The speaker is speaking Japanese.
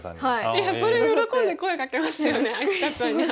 いやそれ喜んで声かけますよね明